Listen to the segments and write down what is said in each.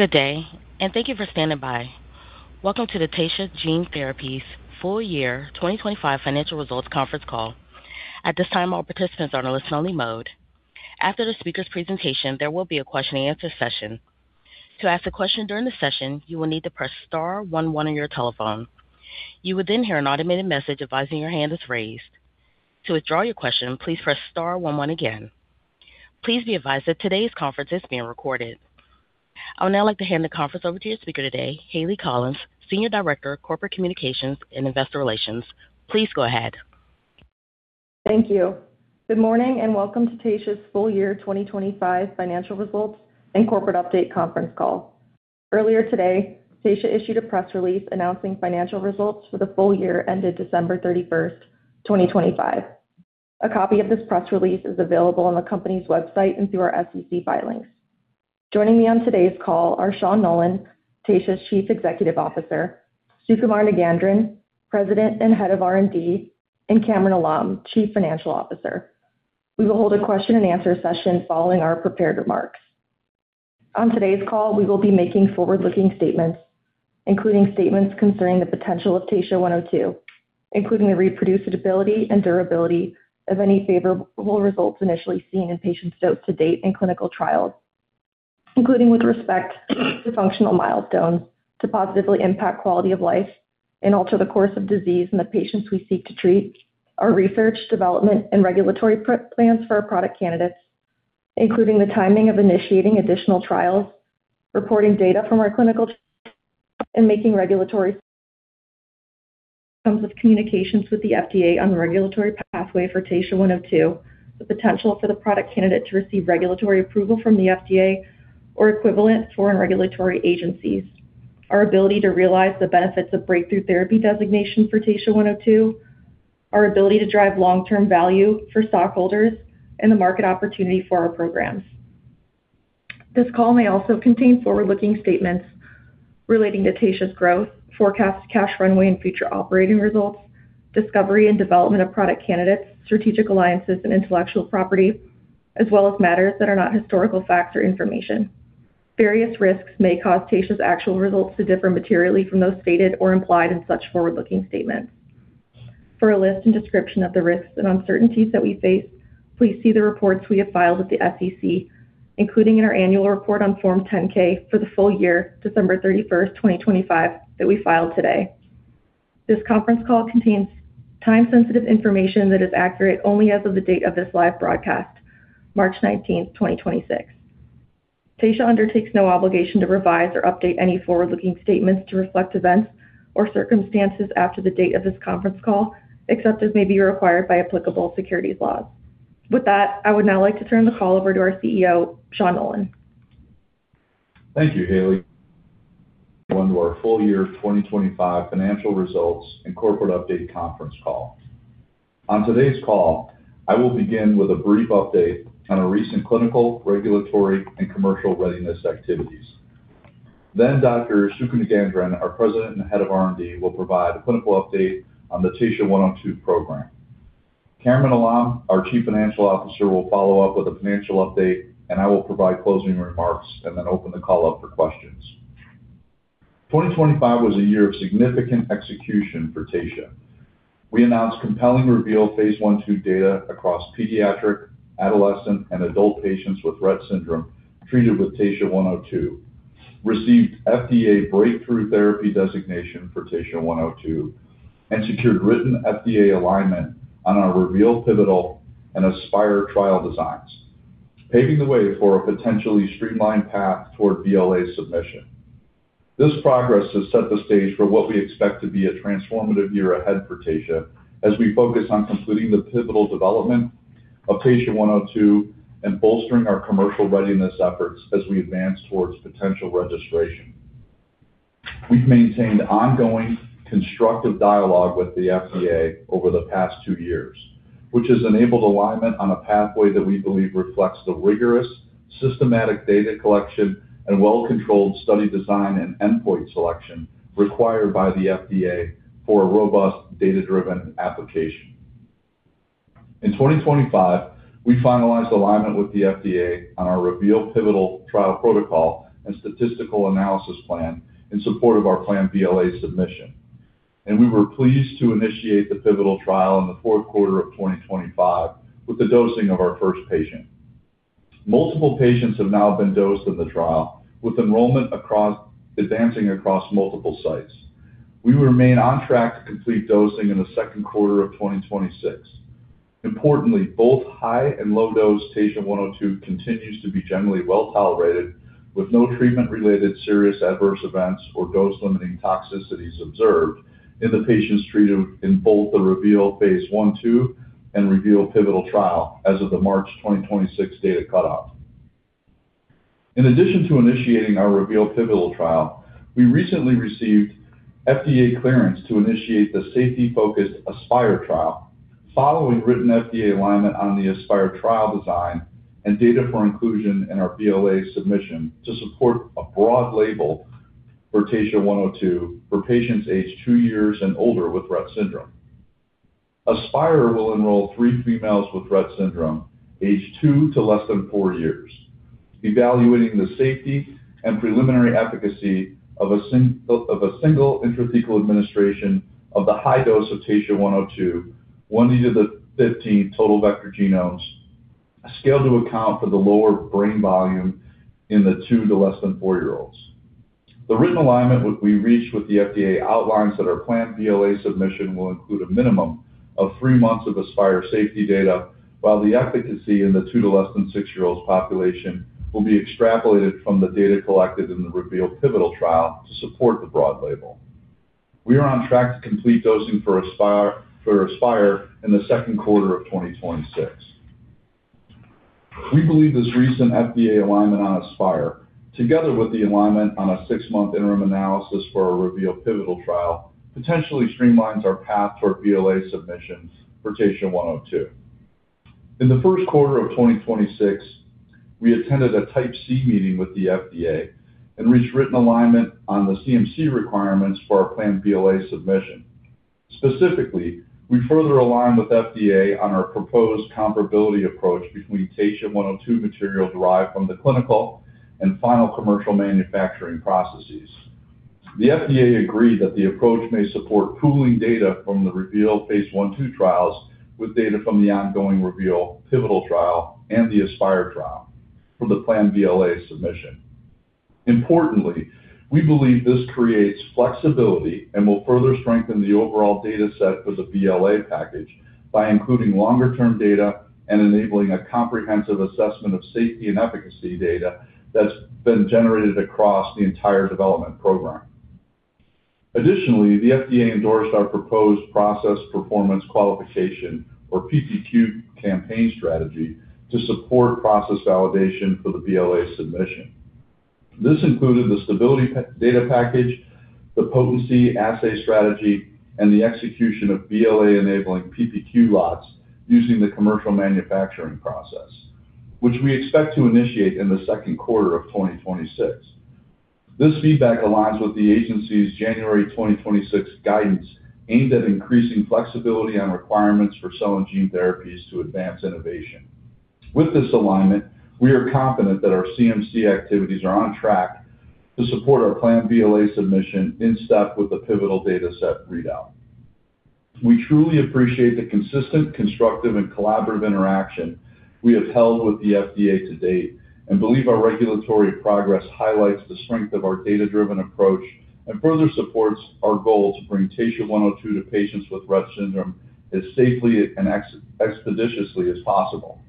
Good day, and thank you for standing by. Welcome to the Taysha Gene Therapies full year 2025 financial results conference call. At this time, all participants are in a listen-only mode. After the speaker's presentation, there will be a question-and-answer session. To ask a question during the session, you will need to press star one one on your telephone. You will then hear an automated message advising your hand is raised. To withdraw your question, please press star one one again. Please be advised that today's conference is being recorded. I would now like to hand the conference over to your speaker today, Hayleigh Collins, Senior Director of Corporate Communications and Investor Relations. Please go ahead. Thank you. Good morning and welcome to Taysha's full year 2025 financial results and corporate update conference call. Earlier today, Taysha issued a press release announcing financial results for the full year ended December 31, 2025. A copy of this press release is available on the company's website and through our SEC filings. Joining me on today's call are Sean Nolan, Taysha's Chief Executive Officer, Sukumar Nagendran, President and Head of R&D, and Kamran Alam, Chief Financial Officer. We will hold a question-and-answer session following our prepared remarks. On today's call, we will be making forward-looking statements, including statements concerning the potential of TSHA-102, including the reproducibility and durability of any favorable results initially seen in patients dosed to date in clinical trials, including with respect to functional milestones to positively impact quality of life and alter the course of disease in the patients we seek to treat, our research, development, and regulatory plans for our product candidates, including the timing of initiating additional trials, reporting data from our clinical and making regulatory communications with the FDA on the regulatory pathway for TSHA-102, the potential for the product candidate to receive regulatory approval from the FDA or equivalent foreign regulatory agencies, our ability to realize the benefits of Breakthrough Therapy designation for TSHA-102, our ability to drive long-term value for stockholders and the market opportunity for our programs. This call may also contain forward-looking statements relating to Taysha's growth, forecast cash runway and future operating results, discovery and development of product candidates, strategic alliances and intellectual property, as well as matters that are not historical facts or information. Various risks may cause Taysha's actual results to differ materially from those stated or implied in such forward-looking statements. For a list and description of the risks and uncertainties that we face, please see the reports we have filed with the SEC, including in our annual report on Form 10-K for the full year, December 31, 2025, that we filed today. This conference call contains time-sensitive information that is accurate only as of the date of this live broadcast, March 19, 2026. Taysha undertakes no obligation to revise or update any forward-looking statements to reflect events or circumstances after the date of this conference call, except as may be required by applicable securities laws. With that, I would now like to turn the call over to our CEO, Sean Nolan. Thank you, Hayleigh. Welcome to our full year 2025 financial results and corporate update conference call. On today's call, I will begin with a brief update on our recent clinical, regulatory, and commercial readiness activities. Dr. Sukumar Nagendran, our President and Head of R&D, will provide a clinical update on the Taysha 102 program. Kamran Alam, our Chief Financial Officer, will follow up with a financial update, and I will provide closing remarks and then open the call up for questions. 2025 was a year of significant execution for Taysha. We announced compelling REVEAL phase I/II data across pediatric, adolescent, and adult patients with Rett syndrome treated with Taysha 102, received FDA Breakthrough Therapy designation for Taysha 102, and secured written FDA alignment on our REVEAL pivotal and ASPIRE trial designs, paving the way for a potentially streamlined path toward BLA submission. This progress has set the stage for what we expect to be a transformative year ahead for Taysha as we focus on completing the pivotal development of TSHA-102 and bolstering our commercial readiness efforts as we advance towards potential registration. We've maintained ongoing, constructive dialogue with the FDA over the past two years, which has enabled alignment on a pathway that we believe reflects the rigorous, systematic data collection and well-controlled study design and endpoint selection required by the FDA for a robust data-driven application. In 2025, we finalized alignment with the FDA on our REVEAL pivotal trial protocol and statistical analysis plan in support of our planned BLA submission, and we were pleased to initiate the pivotal trial in the fourth quarter of 2025 with the dosing of our first patient. Multiple patients have now been dosed in the trial, with enrollment advancing across multiple sites. We remain on track to complete dosing in the second quarter of 2026. Importantly, both high and low dose TSHA-102 continues to be generally well-tolerated, with no treatment-related serious adverse events or dose-limiting toxicities observed in the patients treated in both the REVEAL phase I/II and REVEAL pivotal trial as of the March 2026 data cutoff. In addition to initiating our REVEAL pivotal trial, we recently received FDA clearance to initiate the safety-focused ASPIRE trial following written FDA alignment on the ASPIRE trial design and data for inclusion in our BLA submission to support a broad label for TSHA-102 for patients aged two years and older with Rett syndrome. ASPIRE will enroll three females with Rett syndrome aged two to less than four years, evaluating the safety and preliminary efficacy of a single intrathecal administration of the high dose of TSHA-102, 1e15 total vector genomes, scaled to account for the lower brain volume in the two to less than four-year-olds. The written alignment we reached with the FDA outlines that our planned BLA submission will include a minimum of three months of ASPIRE safety data, while the efficacy in the two to less than six-year-olds population will be extrapolated from the data collected in the REVEAL pivotal trial to support the broad label. We are on track to complete dosing for ASPIRE in the second quarter of 2026. We believe this recent FDA alignment on ASPIRE, together with the alignment on a six-month interim analysis for our REVEAL pivotal trial, potentially streamlines our path toward BLA submissions for TSHA-102. In the first quarter of 2026, we attended a Type C meeting with the FDA and reached written alignment on the CMC requirements for our planned BLA submission. Specifically, we further aligned with FDA on our proposed comparability approach between TSHA-102 material derived from the clinical and final commercial manufacturing processes. The FDA agreed that the approach may support pooling data from the REVEAL Phase I/II trials with data from the ongoing REVEAL pivotal trial and the ASPIRE trial for the planned BLA submission. Importantly, we believe this creates flexibility and will further strengthen the overall data set for the BLA package by including longer-term data and enabling a comprehensive assessment of safety and efficacy data that's been generated across the entire development program. Additionally, the FDA endorsed our proposed process performance qualification or PPQ campaign strategy to support process validation for the BLA submission. This included the stability data package, the potency assay strategy, and the execution of BLA-enabling PPQ lots using the commercial manufacturing process, which we expect to initiate in the second quarter of 2026. This feedback aligns with the agency's January 2026 guidance aimed at increasing flexibility on requirements for cell and gene therapies to advance innovation. With this alignment, we are confident that our CMC activities are on track to support our planned BLA submission in step with the pivotal data set readout. We truly appreciate the consistent, constructive, and collaborative interaction we have held with the FDA to date and believe our regulatory progress highlights the strength of our data-driven approach and further supports our goal to bring TSHA-102 to patients with Rett syndrome as safely and expeditiously as possible.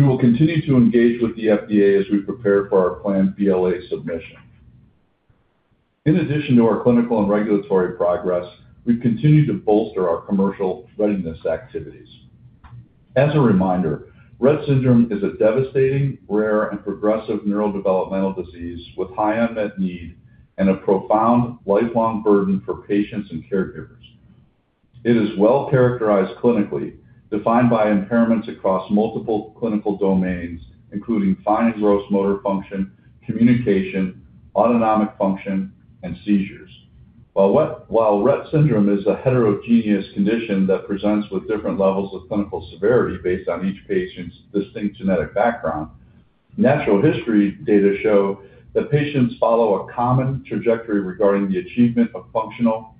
We will continue to engage with the FDA as we prepare for our planned BLA submission. In addition to our clinical and regulatory progress, we've continued to bolster our commercial readiness activities. As a reminder, Rett syndrome is a devastating, rare, and progressive neurodevelopmental disease with high unmet need and a profound lifelong burden for patients and caregivers. It is well-characterized clinically, defined by impairments across multiple clinical domains, including fine and gross motor function, communication, autonomic function, and seizures. While Rett syndrome is a heterogeneous condition that presents with different levels of clinical severity based on each patient's distinct genetic background, natural history data show that patients follow a common trajectory regarding the achievement of functional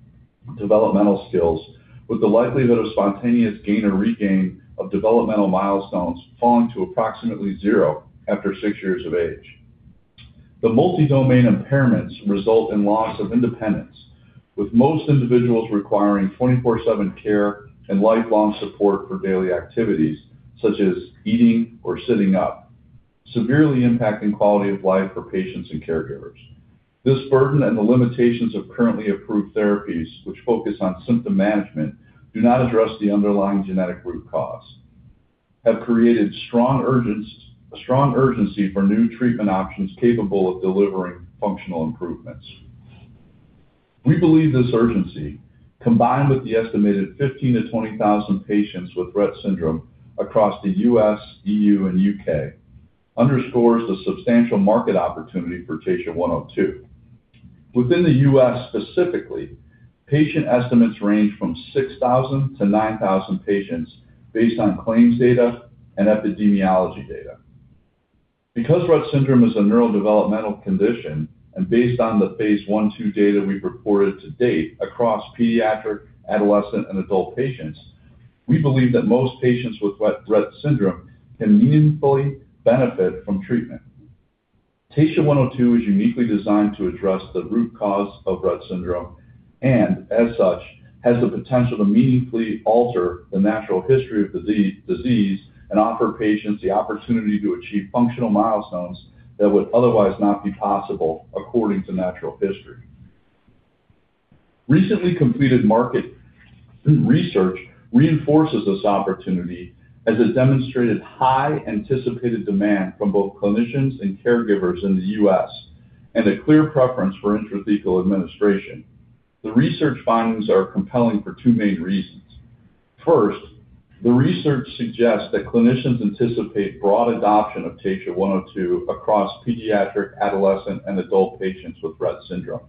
developmental skills, with the likelihood of spontaneous gain or regain of developmental milestones falling to approximately zero after six years of age. The multi-domain impairments result in loss of independence, with most individuals requiring 24/7 care and lifelong support for daily activities such as eating or sitting up, severely impacting quality of life for patients and caregivers. This burden and the limitations of currently approved therapies, which focus on symptom management, do not address the underlying genetic root cause, have created a strong urgency for new treatment options capable of delivering functional improvements. We believe this urgency, combined with the estimated 15,000-20,000 patients with Rett syndrome across the U.S., E.U., and U.K., underscores the substantial market opportunity for TSHA-102. Within the U.S. specifically, patient estimates range from 6,000 to 9,000 patients based on claims data and epidemiology data. Because Rett syndrome is a neurodevelopmental condition, and based on the phase I/II data we've reported to date across pediatric, adolescent, and adult patients, we believe that most patients with Rett syndrome can meaningfully benefit from treatment. TSHA-102 is uniquely designed to address the root cause of Rett syndrome and, as such, has the potential to meaningfully alter the natural history of disease and offer patients the opportunity to achieve functional milestones that would otherwise not be possible according to natural history. Recently completed market research reinforces this opportunity as it demonstrated high anticipated demand from both clinicians and caregivers in the U.S. and a clear preference for intrathecal administration. The research findings are compelling for two main reasons. First, the research suggests that clinicians anticipate broad adoption of TSHA-102 across pediatric, adolescent, and adult patients with Rett syndrome.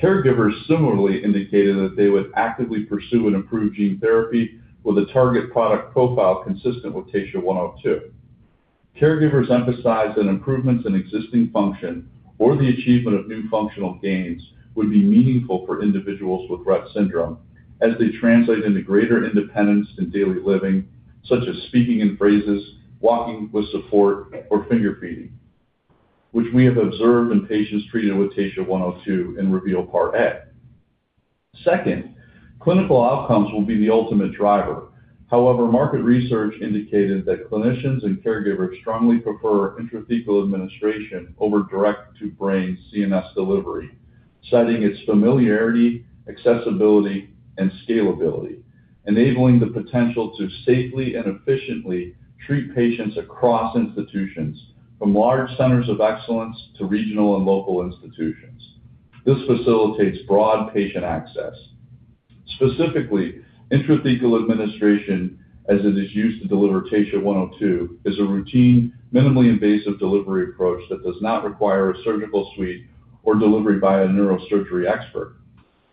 Caregivers similarly indicated that they would actively pursue an approved gene therapy with a target product profile consistent with TSHA-102. Caregivers emphasized that improvements in existing function or the achievement of new functional gains would be meaningful for individuals with Rett syndrome as they translate into greater independence in daily living, such as speaking in phrases, walking with support, or finger feeding, which we have observed in patients treated with TSHA-102 in REVEAL Part A. Second, clinical outcomes will be the ultimate driver. However, market research indicated that clinicians and caregivers strongly prefer intrathecal administration over direct-to-brain CNS delivery, citing its familiarity, accessibility, and scalability, enabling the potential to safely and efficiently treat patients across institutions from large centers of excellence to regional and local institutions. This facilitates broad patient access. Specifically, intrathecal administration, as it is used to deliver TSHA-102, is a routine, minimally invasive delivery approach that does not require a surgical suite or delivery by a neurosurgery expert.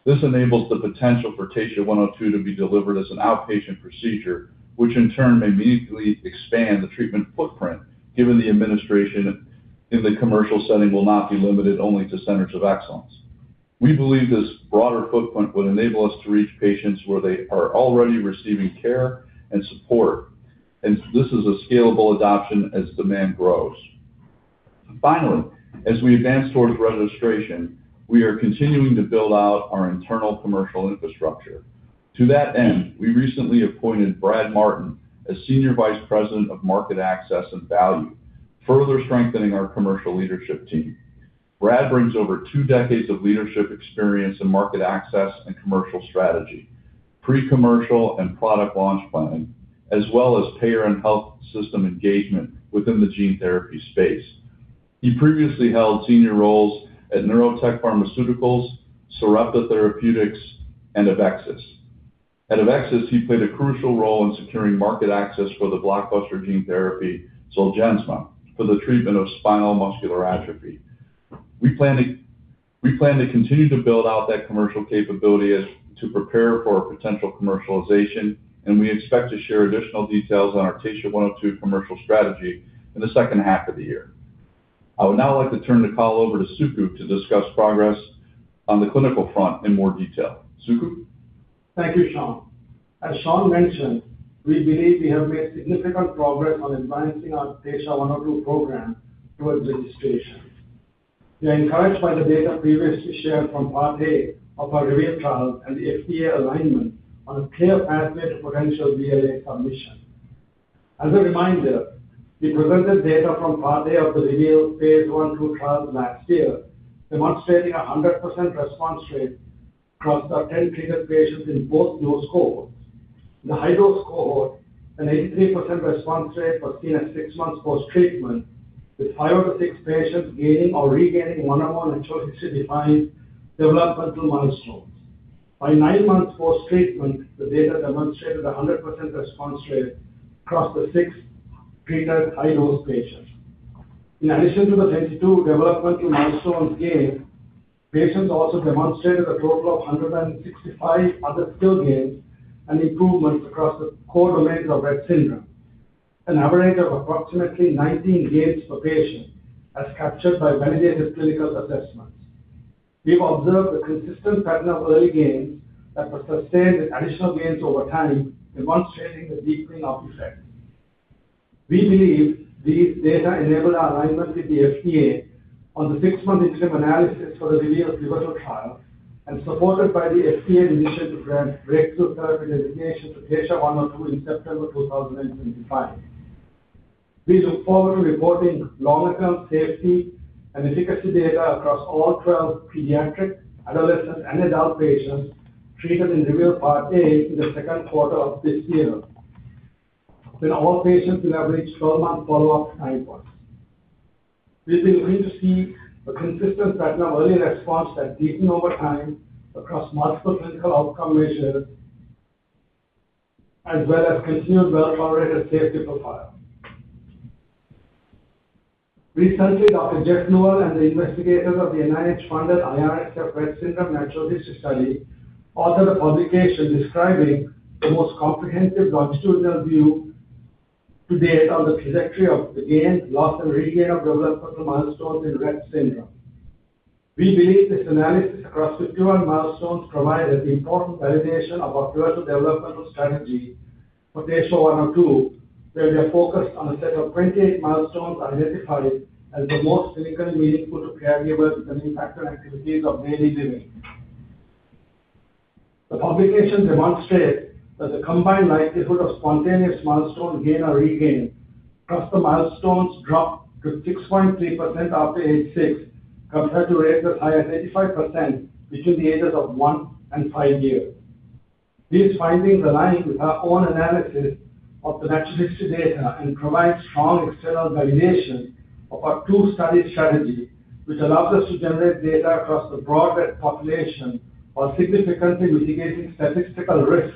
This enables the potential for TSHA-102 to be delivered as an outpatient procedure, which in turn may immediately expand the treatment footprint given the administration in the commercial setting will not be limited only to centers of excellence. We believe this broader footprint would enable us to reach patients where they are already receiving care and support, and this is a scalable adoption as demand grows. Finally, as we advance towards registration, we are continuing to build out our internal commercial infrastructure. To that end, we recently appointed Brad Martin as Senior Vice President of Market Access and Value, further strengthening our commercial leadership team. Brad brings over two decades of leadership experience in market access and commercial strategy, pre-commercial and product launch planning, as well as payer and health system engagement within the gene therapy space. He previously held senior roles at Neurotech Pharmaceuticals, Sarepta Therapeutics, and AveXis. At AveXis, he played a crucial role in securing market access for the blockbuster gene therapy, Zolgensma, for the treatment of spinal muscular atrophy. We plan to continue to build out that commercial capability as to prepare for a potential commercialization, and we expect to share additional details on our TSHA-102 commercial strategy in the second half of the year. I would now like to turn the call over to Suku to discuss progress on the clinical front in more detail. Suku? Thank you, Sean. As Sean mentioned, we believe we have made significant progress on advancing our TSHA-102 program towards registration. We are encouraged by the data previously shared from Part A of our REVEAL trial and the FDA alignment on a clear pathway to potential BLA submission. As a reminder, we presented data from Part A of the REVEAL Phase I/II trial last year, demonstrating 100% response rate across our 10 treated patients in both dose cohorts. In the high-dose cohort, an 83% response rate was seen at six months post-treatment, with five out of six patients gaining or regaining one or more intellectually defined developmental milestones. By nine months post-treatment, the data demonstrated 100% response rate across the six treated high-dose patients. In addition to the 22 developmental milestones gained, patients also demonstrated a total of 165 other skill gains and improvements across the core domains of Rett syndrome, an average of approximately 19 gains per patient, as captured by validated clinical assessments. We've observed a consistent pattern of early gains that were sustained with additional gains over time, demonstrating a deepening of effect. We believe these data enable our alignment with the FDA on the six-month interim analysis for the REVEAL pivotal trial and supported by the FDA's initial grant Breakthrough Therapy designation to TSHA-102 in September 2025. We look forward to reporting longer-term safety and efficacy data across all 12 pediatric, adolescent, and adult patients treated in REVEAL Part A in the second quarter of this year when all patients will have reached 12-month follow-up timelines. We've been pleased to see a consistent pattern of early response that deepen over time across multiple clinical outcome measures as well as continued well-tolerated safety profile. Recently, Dr. Jeffrey Neul and the investigators of the NIH-funded IRSF Rett Syndrome Natural History Study authored a publication describing the most comprehensive longitudinal view to date on the trajectory of the gain, loss, and regain of developmental milestones in Rett syndrome. We believe this analysis across 51 milestones provided important validation of our pivotal developmental strategy for TSHA-102, where we are focused on a set of 28 milestones identified as the most clinically meaningful behaviors that impact our activities of daily living. The publication demonstrated that the combined likelihood of spontaneous milestone gain or regain plus the milestones dropped to 6.3% after age six compared to rates as high as 85% between the ages of one and five years. These findings align with our own analysis of the natural history data and provide strong external validation of our two-study strategy, which allows us to generate data across the broad Rett syndrome population, while significantly mitigating statistical risk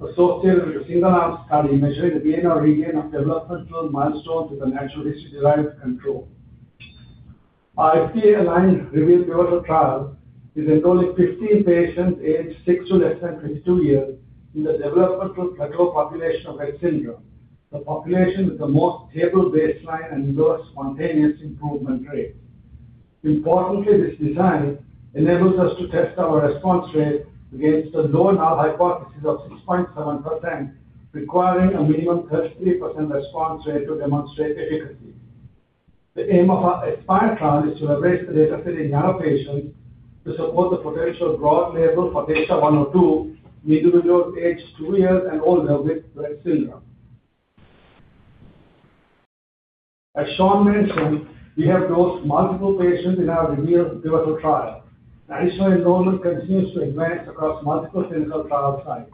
associated with a single arm study measuring the gain or regain of developmental milestones with a natural history derived control. Our FDA-aligned REVEAL pivotal trial is enrolling 15 patients aged six to less than 22 years in the developmental control population of Rett syndrome, the population with the most stable baseline and lowest spontaneous improvement rate. Importantly, this design enables us to test our response rate against the low null hypothesis of 6.7%, requiring a minimum 30% response rate to demonstrate efficacy. The aim of our ASPIRE trial is to expand the data field in younger patients to support the potential broad label for TSHA-102 in individuals aged two years and older with Rett syndrome. As Sean mentioned, we have dosed multiple patients in our REVEAL pivotal trial. Patient enrollment continues to advance across multiple clinical trial sites.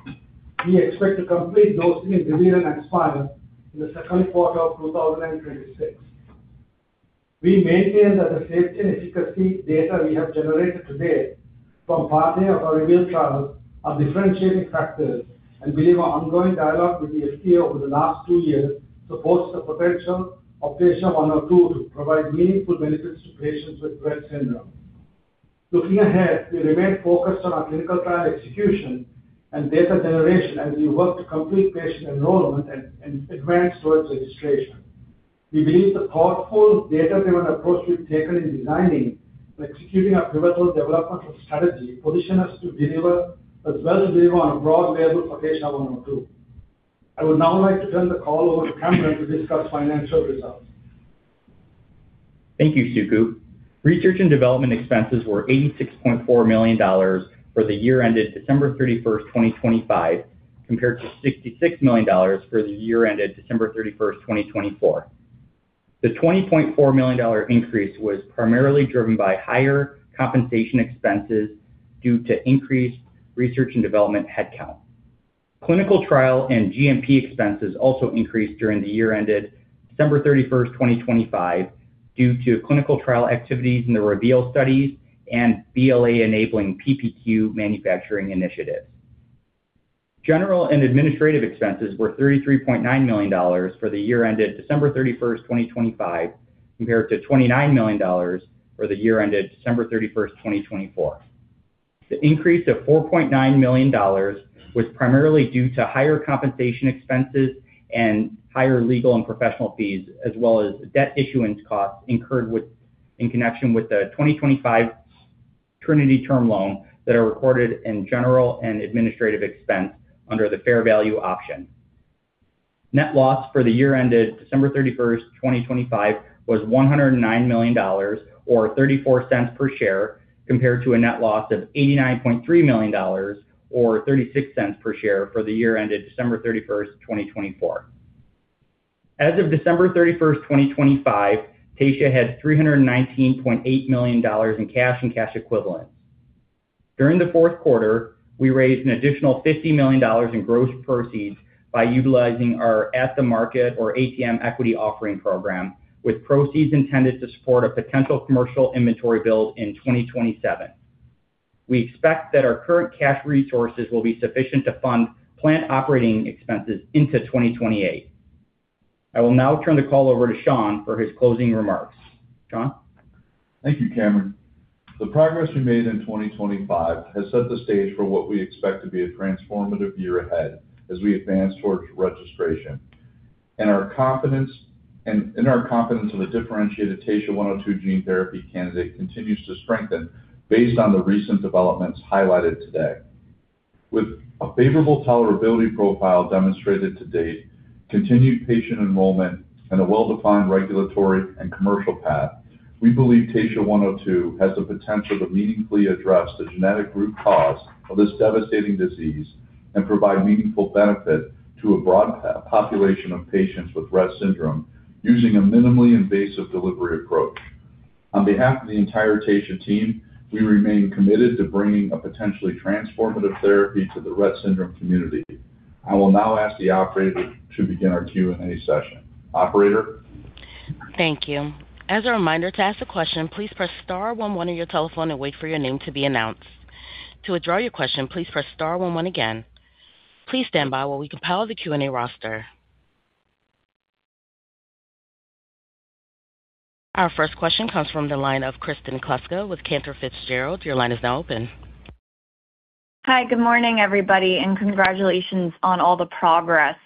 We expect to complete dosing in REVEAL and ASPIRE in the second quarter of 2026. We maintain that the safety and efficacy data we have generated to date from part A of our REVEAL trial are differentiating factors and believe our ongoing dialogue with the FDA over the last two years supports the potential of TSHA-102 to provide meaningful benefits to patients with Rett syndrome. Looking ahead, we remain focused on our clinical trial execution and data generation as we work to complete patient enrollment and advance towards registration. We believe the thoughtful data-driven approach we've taken in designing and executing our pivotal developmental strategy position us to deliver a BLA on a broad label for TSHA-102. I would now like to turn the call over to Kamran to discuss financial results. Thank you, Suku. Research and development expenses were $86.4 million for the year ended December 31, 2025, compared to $66 million for the year ended December 31, 2024. The $20 million increase was primarily driven by higher compensation expenses due to increased research and development headcount. Clinical trial and GMP expenses also increased during the year ended December 31, 2025, due to clinical trial activities in the REVEAL studies and BLA-enabling PPQ manufacturing initiatives. General and administrative expenses were $33.9 million for the year ended December 31, 2025, compared to $29 million for the year ended December 31, 2024. The increase of $4.9 million was primarily due to higher compensation expenses and higher legal and professional fees, as well as debt issuance costs incurred in connection with the 2025 Trinity term loan that are recorded in general and administrative expense under the fair value option. Net loss for the year ended December 31, 2025, was $109 million or $0.34 per share, compared to a net loss of $89.3 million or $0.36 per share for the year ended December 31, 2024. As of December 31, 2025, Taysha had $319.8 million in cash and cash equivalents. During the fourth quarter, we raised an additional $50 million in gross proceeds by utilizing our at-the-market or ATM equity offering program, with proceeds intended to support a potential commercial inventory build in 2027. We expect that our current cash resources will be sufficient to fund plant operating expenses into 2028. I will now turn the call over to Sean for his closing remarks. Sean. Thank you, Kamran. The progress we made in 2025 has set the stage for what we expect to be a transformative year ahead as we advance towards registration. In our confidence of a differentiated TSHA-102 gene therapy candidate continues to strengthen based on the recent developments highlighted today. With a favorable tolerability profile demonstrated to date, continued patient enrollment and a well-defined regulatory and commercial path, we believe TSHA-102 has the potential to meaningfully address the genetic root cause of this devastating disease and provide meaningful benefit to a broad population of patients with Rett syndrome using a minimally invasive delivery approach. On behalf of the entire Taysha team, we remain committed to bringing a potentially transformative therapy to the Rett syndrome community. I will now ask the operator to begin our Q&A session. Operator? Thank you. As a reminder to ask a question, please press star one one on your telephone and wait for your name to be announced. To withdraw your question, please press star one one again. Please stand by while we compile the Q&A roster. Our first question comes from the line of Kristen Kluska with Cantor Fitzgerald. Your line is now open. Hi, good morning, everybody, and congratulations on all the progress.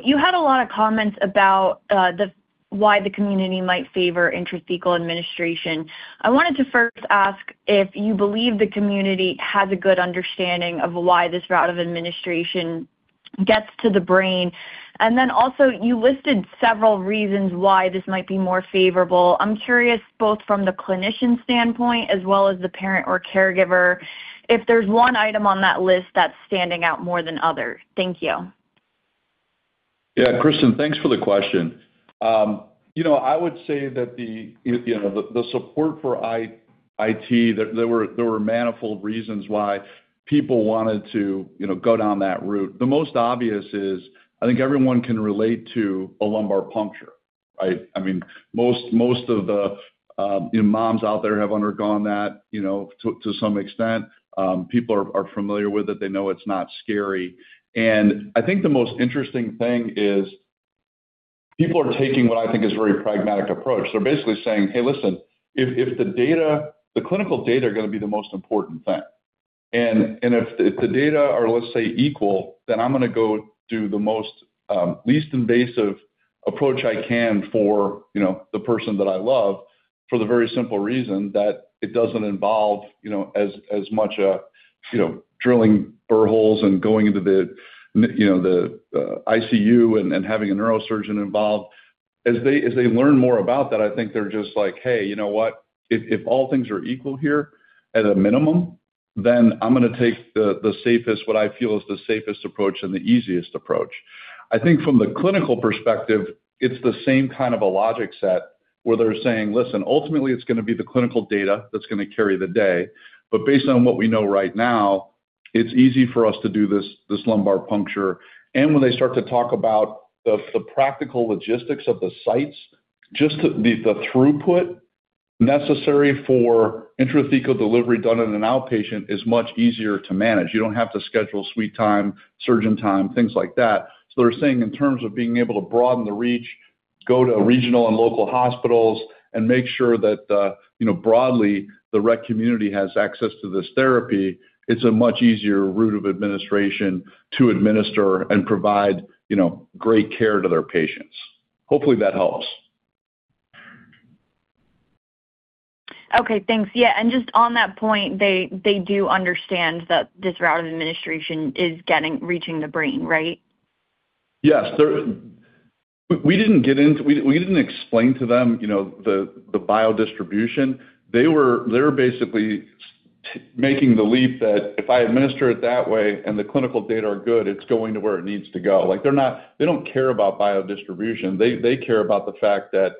You had a lot of comments about the why the community might favor intrathecal administration. I wanted to first ask if you believe the community has a good understanding of why this route of administration gets to the brain. Then also you listed several reasons why this might be more favorable. I'm curious, both from the clinician standpoint as well as the parent or caregiver, if there's one item on that list that's standing out more than others. Thank you. Yeah, Kristen, thanks for the question. You know, I would say that the support for IT, there were manifold reasons why people wanted to, you know, go down that route. The most obvious is I think everyone can relate to a lumbar puncture, right? I mean, most of the moms out there have undergone that, you know, to some extent. People are familiar with it. They know it's not scary. I think the most interesting thing is people are taking what I think is a very pragmatic approach. They're basically saying, "Hey, listen. If the clinical data are gonna be the most important thing. If the data are, let's say, equal, then I'm gonna go do the most least invasive approach I can for, you know, the person that I love for the very simple reason that it doesn't involve, you know, as much, you know, drilling burr holes and going into the, you know, the, ICU and having a neurosurgeon involved. As they learn more about that, I think they're just like, "Hey, you know what? If all things are equal here at a minimum, then I'm gonna take the safest, what I feel is the safest approach and the easiest approach." I think from the clinical perspective, it's the same kind of a logic set where they're saying, "Listen, ultimately it's gonna be the clinical data that's gonna carry the day. Based on what we know right now, it's easy for us to do this lumbar puncture." When they start to talk about the practical logistics of the sites, just the throughput necessary for intrathecal delivery done in an outpatient is much easier to manage. You don't have to schedule suite time, surgeon time, things like that. They're saying in terms of being able to broaden the reach, go to regional and local hospitals and make sure that, you know, broadly the Rett community has access to this therapy, it's a much easier route of administration to administer and provide, you know, great care to their patients. Hopefully, that helps. Okay, thanks. Yeah, just on that point, they do understand that this route of administration is reaching the brain, right? Yes. We didn't explain to them, you know, the biodistribution. They were basically making the leap that if I administer it that way and the clinical data are good, it's going to where it needs to go. Like, they're not. They don't care about biodistribution. They care about the fact that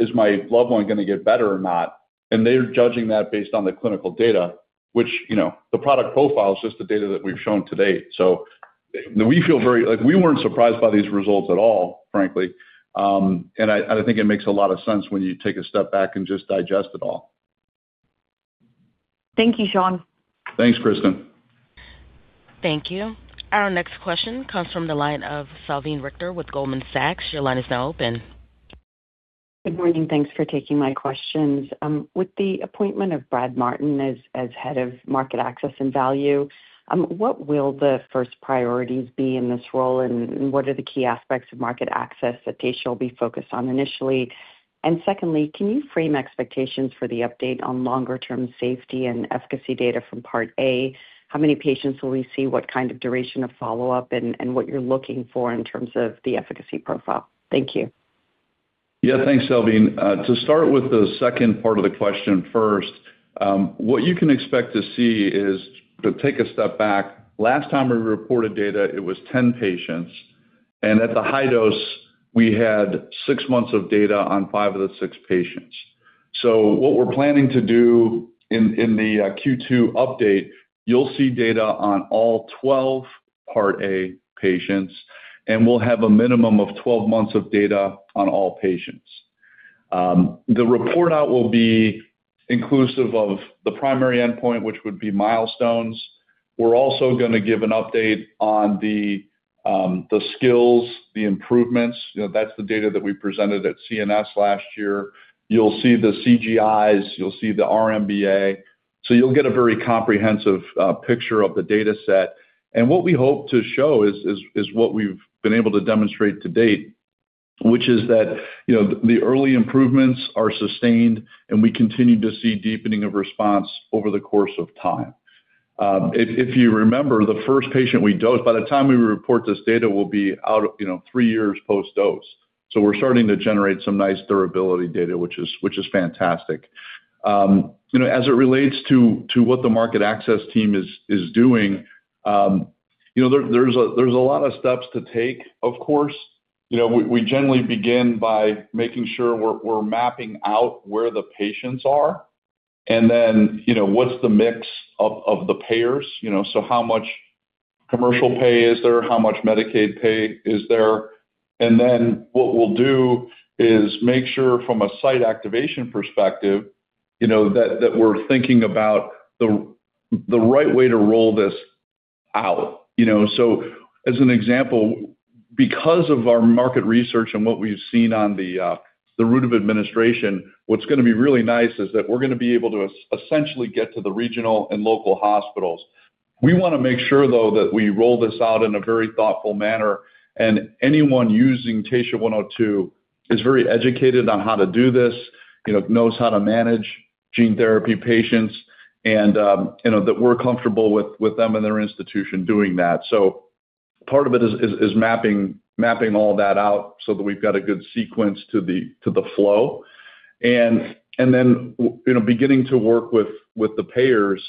is my loved one gonna get better or not? They're judging that based on the clinical data, which, you know, the product profile is just the data that we've shown to date. So we feel very like we weren't surprised by these results at all, frankly. I think it makes a lot of sense when you take a step back and just digest it all. Thank you, Sean. Thanks, Kristen. Thank you. Our next question comes from the line of Salveen Richter with Goldman Sachs. Your line is now open. Good morning. Thanks for taking my questions. With the appointment of Brad Martin as head of market access and value, what will the first priorities be in this role, and what are the key aspects of market access that Taysha will be focused on initially? Secondly, can you frame expectations for the update on longer-term safety and efficacy data from Part A? How many patients will we see, what kind of duration of follow-up and what you're looking for in terms of the efficacy profile? Thank you. Yeah. Thanks, Salveen. To start with the second part of the question first, what you can expect to see is to take a step back. Last time we reported data, it was 10 patients, and at the high dose, we had six months of data on five of the six patients. What we're planning to do in the Q2 update, you'll see data on all 12 Part A patients, and we'll have a minimum of 12 months of data on all patients. The report out will be inclusive of the primary endpoint, which would be milestones. We're also gonna give an update on the skills, the improvements. You know, that's the data that we presented at CNS last year. You'll see the CGIs, you'll see the RMBA. You'll get a very comprehensive picture of the dataset. What we hope to show is what we've been able to demonstrate to date, which is that, you know, the early improvements are sustained, and we continue to see deepening of response over the course of time. If you remember, the first patient we dosed, by the time we report this data will be out, you know, three years post-dose. We're starting to generate some nice durability data, which is fantastic. You know, as it relates to what the market access team is doing, you know, there's a lot of steps to take, of course. We generally begin by making sure we're mapping out where the patients are and then, you know, what's the mix of the payers. You know, so how much commercial pay is there? How much Medicaid pay is there? Then what we'll do is make sure from a site activation perspective, you know, that we're thinking about the right way to roll this out, you know. As an example, because of our market research and what we've seen on the route of administration, what's gonna be really nice is that we're gonna be able to essentially get to the regional and local hospitals. We wanna make sure, though, that we roll this out in a very thoughtful manner, and anyone using TSHA-102 is very educated on how to do this, you know, knows how to manage gene therapy patients and, you know, that we're comfortable with them and their institution doing that. Part of it is mapping all that out so that we've got a good sequence to the flow. You know, beginning to work with the payers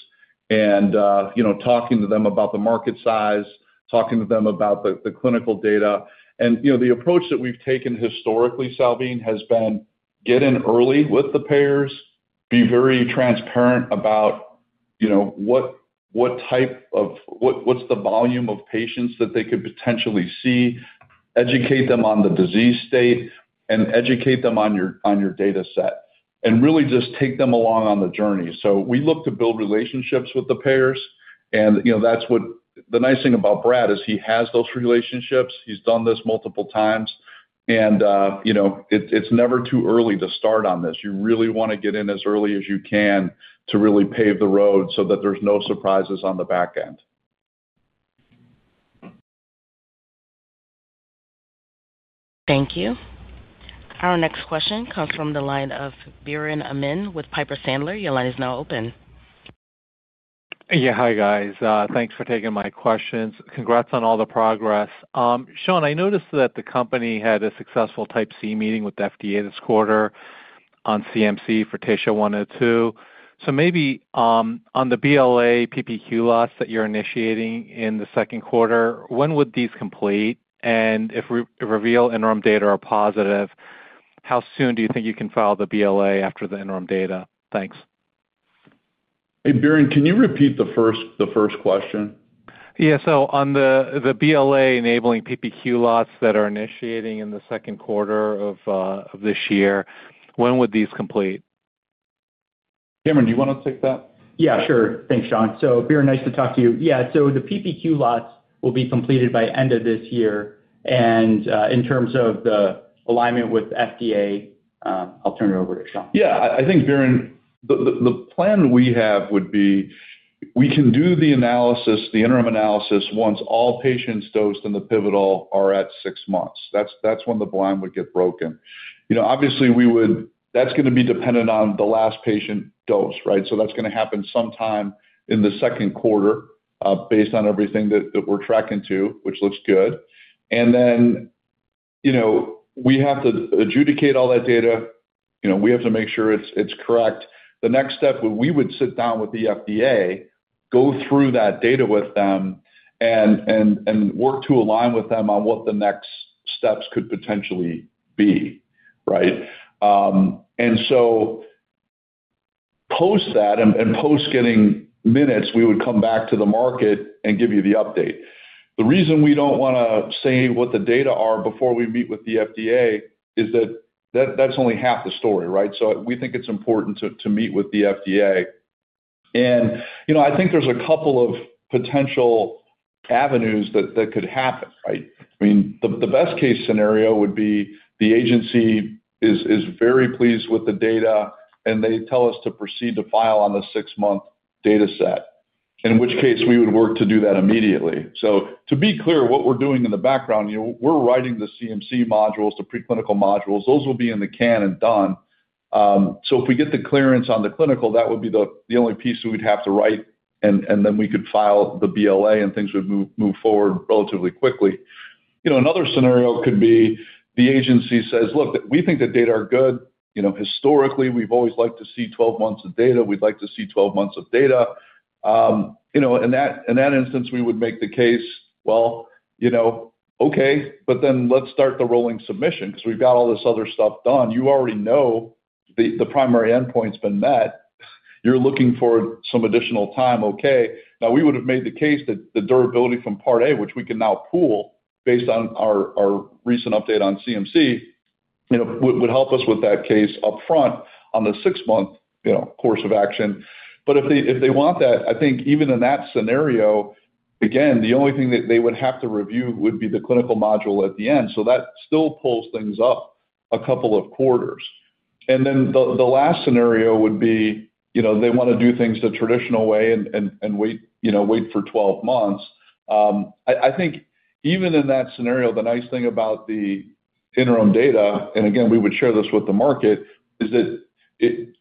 and, you know, talking to them about the market size, talking to them about the clinical data. You know, the approach that we've taken historically, Salveen, has been get in early with the payers, be very transparent about, you know, what's the volume of patients that they could potentially see, educate them on the disease state and educate them on your data set, and really just take them along on the journey. We look to build relationships with the payers and, you know, that's what. The nice thing about Brad is he has those relationships. He's done this multiple times and, you know, it's never too early to start on this. You really wanna get in as early as you can to really pave the road so that there's no surprises on the back end. Thank you. Our next question comes from the line of Biren Amin with Piper Sandler. Your line is now open. Yeah, hi guys. Thanks for taking my questions. Congrats on all the progress. Sean, I noticed that the company had a successful Type C meeting with the FDA this quarter on CMC for TSHA-102. So maybe on the BLA PPQ lots that you're initiating in the second quarter, when would these complete? And if REVEAL interim data are positive, how soon do you think you can file the BLA after the interim data? Thanks. Hey, Biren, can you repeat the first question? On the BLA enabling PPQ lots that are initiating in the second quarter of this year, when would these complete? Kamran, do you wanna take that? Yeah, sure. Thanks, Sean. Biren, nice to talk to you. Yeah. The PPQ lots will be completed by end of this year. In terms of the alignment with FDA, I'll turn it over to Sean. Yeah. I think Biren, the plan we have would be we can do the analysis, the interim analysis once all patients dosed in the pivotal are at six months. That's when the blind would get broken. You know, obviously that's gonna be dependent on the last patient dose, right? That's gonna happen sometime in the second quarter, based on everything that we're tracking to, which looks good. You know, we have to adjudicate all that data. You know, we have to make sure it's correct. We would sit down with the FDA, go through that data with them and work to align with them on what the next steps could potentially be, right? Post that and post getting minutes, we would come back to the market and give you the update. The reason we don't wanna say what the data are before we meet with the FDA is that that's only half the story, right? We think it's important to meet with the FDA. You know, I think there's a couple of potential avenues that could happen, right? I mean, the best case scenario would be the agency is very pleased with the data, and they tell us to proceed to file on the six-month data set. In which case we would work to do that immediately. To be clear, what we're doing in the background, you know, we're writing the CMC modules, the preclinical modules. Those will be in the can and done. If we get the clearance on the clinical, that would be the only piece that we'd have to write, and then we could file the BLA and things would move forward relatively quickly. You know, another scenario could be the agency says, "Look, we think the data are good. You know, historically, we've always liked to see 12 months of data. We'd like to see 12 months of data." You know, in that instance, we would make the case, well, you know, okay, but then let's start the rolling submission 'cause we've got all this other stuff done. You already know the primary endpoint's been met. You're looking for some additional time. Okay. Now, we would have made the case that the durability from part A, which we can now pool based on our recent update on CMC, you know, would help us with that case upfront on the six-month, you know, course of action. If they want that, I think even in that scenario, again, the only thing that they would have to review would be the clinical module at the end. That still pulls things up a couple of quarters. Then the last scenario would be, you know, they wanna do things the traditional way and wait for 12 months. I think even in that scenario, the nice thing about the interim data, and again, we would share this with the market, is that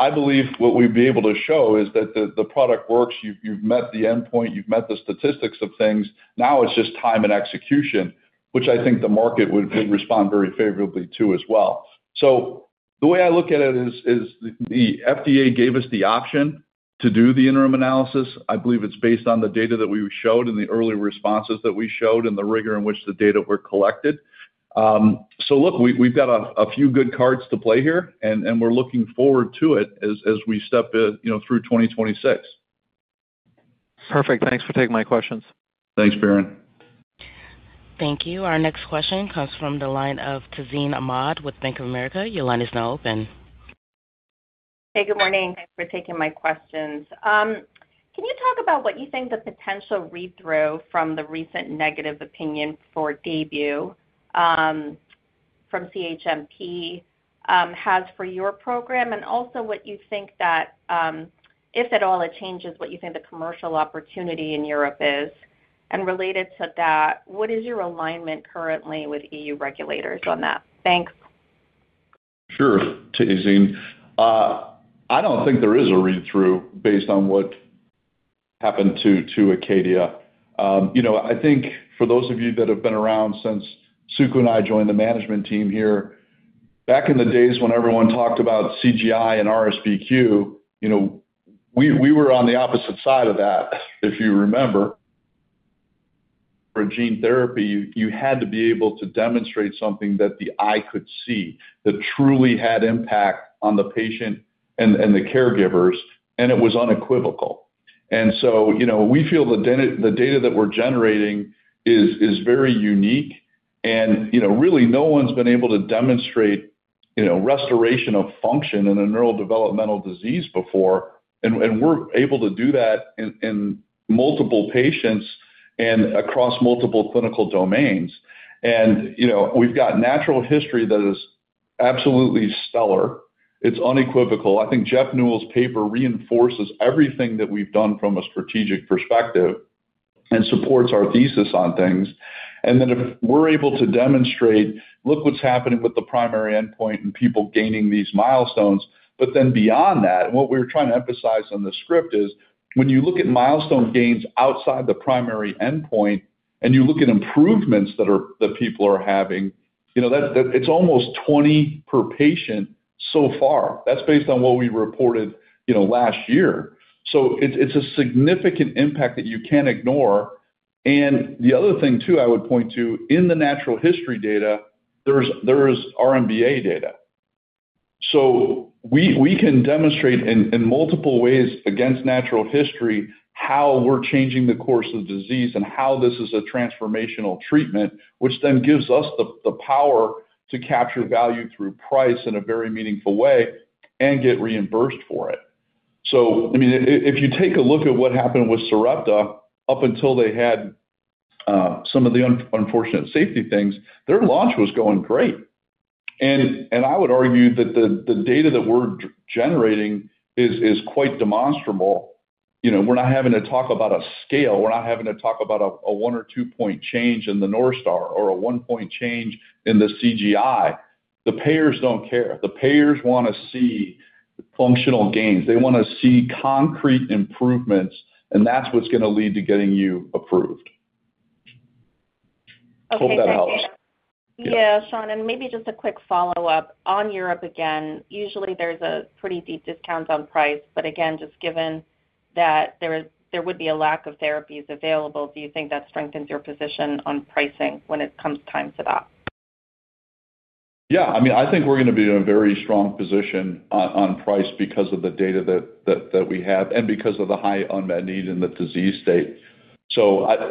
I believe what we'd be able to show is that the product works. You've met the endpoint, you've met the statistics of things. Now it's just time and execution, which I think the market would respond very favorably to as well. The way I look at it is the FDA gave us the option to do the interim analysis. I believe it's based on the data that we showed and the early responses that we showed and the rigor in which the data were collected. Look, we've got a few good cards to play here, and we're looking forward to it as we step in, you know, through 2026. Perfect. Thanks for taking my questions. Thanks, Biren. Thank you. Our next question comes from the line of Tazeen Ahmad with Bank of America. Your line is now open. Hey, good morning. Thanks for taking my questions. Can you talk about what you think the potential read-through from the recent negative opinion for Daybue from CHMP has for your program, and also what you think that if at all it changes what you think the commercial opportunity in Europe is? Related to that, what is your alignment currently with EU regulators on that? Thanks. Sure, Tazeen. I don't think there is a read-through based on what happened to Acadia. You know, I think for those of you that have been around since Suku and I joined the management team here, back in the days when everyone talked about CGI and RSBQ, you know, we were on the opposite side of that, if you remember. For gene therapy, you had to be able to demonstrate something that the eye could see, that truly had impact on the patient and the caregivers, and it was unequivocal. You know, we feel the data that we're generating is very unique and, you know, really no one's been able to demonstrate, you know, restoration of function in a neurodevelopmental disease before. We're able to do that in multiple patients and across multiple clinical domains. You know, we've got natural history that is absolutely stellar. It's unequivocal. I think Jeffrey Neul's paper reinforces everything that we've done from a strategic perspective and supports our thesis on things. If we're able to demonstrate, look what's happening with the primary endpoint and people gaining these milestones. Beyond that, what we're trying to emphasize on the script is when you look at milestone gains outside the primary endpoint, and you look at improvements that people are having, you know, it's almost 20 per patient so far. That's based on what we reported, you know, last year. It's a significant impact that you can't ignore. The other thing too, I would point to, in the natural history data, there is RMBA data. We can demonstrate in multiple ways against natural history, how we're changing the course of disease and how this is a transformational treatment, which then gives us the power to capture value through price in a very meaningful way and get reimbursed for it. I mean, if you take a look at what happened with Sarepta, up until they had some of the unfortunate safety things, their launch was going great. I would argue that the data that we're generating is quite demonstrable. You know, we're not having to talk about a scale. We're not having to talk about a one or two-point change in the North Star or a one-point change in the CGI. The payers don't care. The payers wanna see functional gains. They wanna see concrete improvements, and that's what's gonna lead to getting you approved. Hope that helps. Okay, thanks. Yeah. Yeah, Sean, maybe just a quick follow-up. On Europe, again, usually there's a pretty deep discount on price. Again, just given that there would be a lack of therapies available, do you think that strengthens your position on pricing when it comes time to that? Yeah. I mean, I think we're gonna be in a very strong position on price because of the data that we have and because of the high unmet need in the disease state.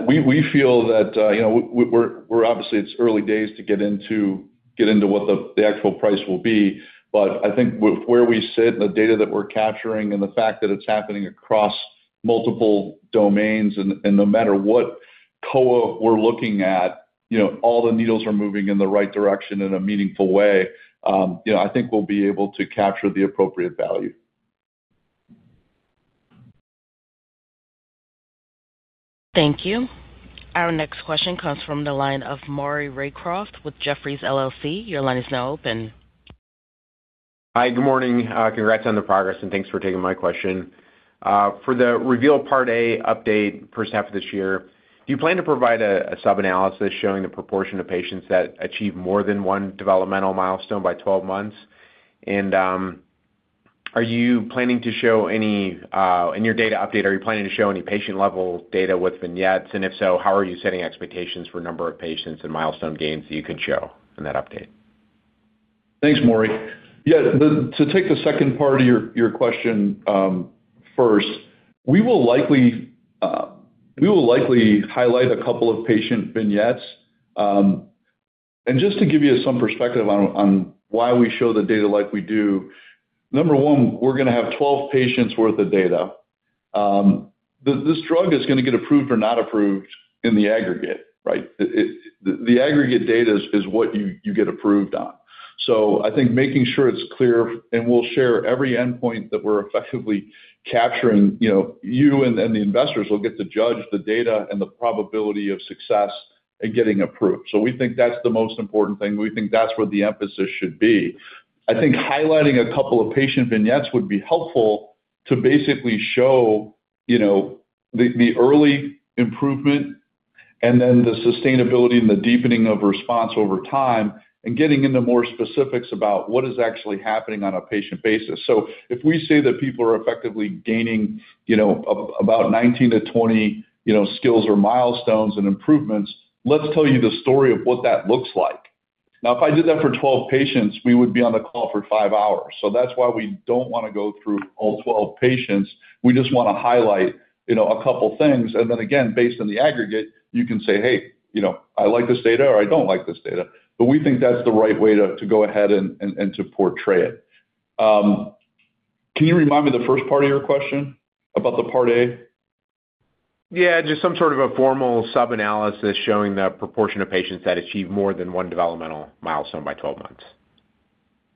We feel that, you know, we're obviously it's early days to get into what the actual price will be, but I think where we sit and the data that we're capturing and the fact that it's happening across multiple domains and no matter what COA we're looking at, you know, all the needles are moving in the right direction in a meaningful way, you know, I think we'll be able to capture the appropriate value. Thank you. Our next question comes from the line of Maury Raycroft with Jefferies LLC. Your line is now open. Hi, good morning. Congrats on the progress, and thanks for taking my question. For the REVEAL Part A update first half of this year, do you plan to provide a sub-analysis showing the proportion of patients that achieve more than one developmental milestone by 12 months? And are you planning to show any in your data update? Are you planning to show any patient-level data with vignettes? And if so, how are you setting expectations for number of patients and milestone gains that you can show in that update? Thanks, Maury. Yeah. To take the second part of your question first, we will likely highlight a couple of patient vignettes. To give you some perspective on why we show the data like we do, number one, we're gonna have 12 patients worth of data. This drug is gonna get approved or not approved in the aggregate, right? The aggregate data is what you get approved on. I think making sure it's clear, and we'll share every endpoint that we're effectively capturing. You know, you and the investors will get to judge the data and the probability of success in getting approved. We think that's the most important thing. We think that's where the emphasis should be. I think highlighting a couple of patient vignettes would be helpful to basically show, you know, the early improvement and then the sustainability and the deepening of response over time and getting into more specifics about what is actually happening on a patient basis. If we say that people are effectively gaining, you know, about 19-20, you know, skills or milestones and improvements, let's tell you the story of what that looks like. Now, if I did that for 12 patients, we would be on the call for five hours. That's why we don't wanna go through all 12 patients. We just wanna highlight, you know, a couple things. Again, based on the aggregate, you can say, "Hey, you know, I like this data," or, "I don't like this data." We think that's the right way to go ahead and to portray it. Can you remind me the first part of your question about the part A? Yeah, just some sort of a formal sub-analysis showing the proportion of patients that achieve more than one developmental milestone by 12 months.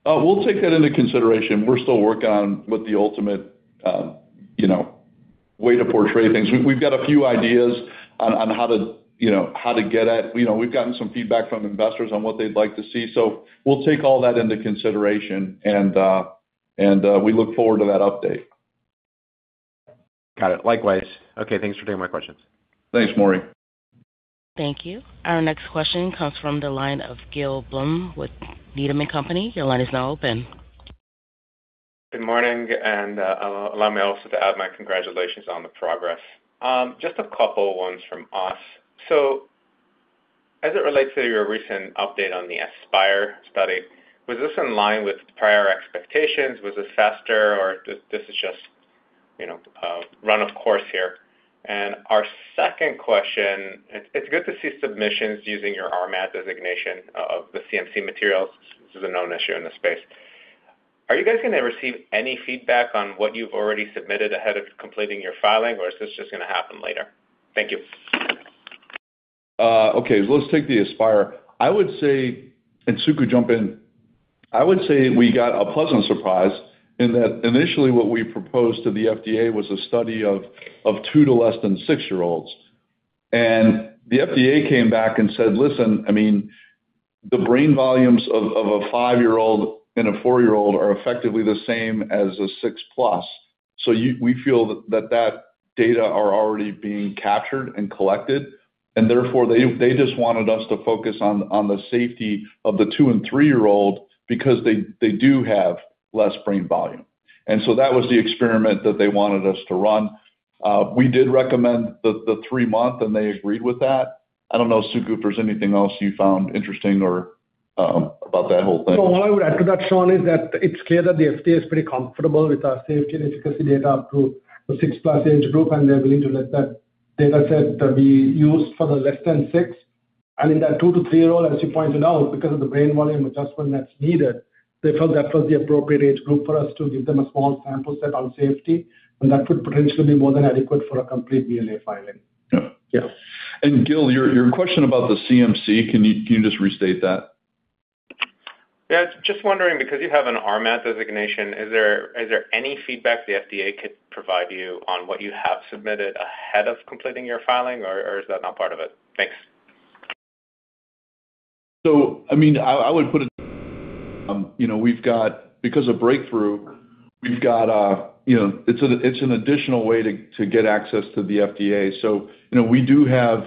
We'll take that into consideration. We're still working on what the ultimate way to portray things. We've got a few ideas on how to get at. We've gotten some feedback from investors on what they'd like to see. We'll take all that into consideration, and we look forward to that update. Got it. Likewise. Okay, thanks for taking my questions. Thanks, Maury. Thank you. Our next question comes from the line of Gil Blum with Needham & Company. Your line is now open. Good morning, allow me also to add my congratulations on the progress. Just a couple ones from us. As it relates to your recent update on the ASPIRE study, was this in line with prior expectations? Was this faster or this is just, you know, run of course here? Our second question, it's good to see submissions using your RMAT designation of the CMC materials. This is a known issue in the space. Are you guys going to receive any feedback on what you've already submitted ahead of completing your filing, or is this just going to happen later? Thank you. Okay, let's take the ASPIRE. I would say, and Suku could jump in. I would say we got a pleasant surprise in that initially what we proposed to the FDA was a study of two to less than six-year-olds. The FDA came back and said, "Listen, I mean, the brain volumes of a five-year-old and a for-year-old are effectively the same as a 6+. So we feel that data are already being captured and collected." Therefore, they just wanted us to focus on the safety of the two and three-year-old because they do have less brain volume. That was the experiment that they wanted us to run. We did recommend the three-month, and they agreed with that. I don't know, Sue, if there's anything else you found interesting or about that whole thing. What I would add to that, Sean, is that it's clear that the FDA is pretty comfortable with our safety and efficacy data up to the 6+ age group, and they're willing to let that data set be used for the less than six. In that 2-3-year-old, as you pointed out, because of the brain volume adjustment that's needed, they felt that was the appropriate age group for us to give them a small sample set on safety, and that could potentially be more than adequate for a complete BLA filing. Yeah. Yeah. Gil, your question about the CMC, can you just restate that? Yeah, just wondering because you have an RMAT designation, is there any feedback the FDA could provide you on what you have submitted ahead of completing your filing or is that not part of it? Thanks. I mean, I would put it, you know, we've got because of Breakthrough, you know, it's an additional way to get access to the FDA. We do have